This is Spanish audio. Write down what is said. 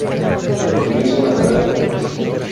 Comienza una carrera como juez.